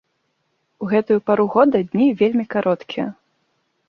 У гэтую пару года дні вельмі кароткія.